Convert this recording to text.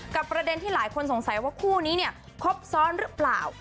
ประเด็นที่หลายคนสงสัยว่าคู่นี้เนี่ยครบซ้อนหรือเปล่า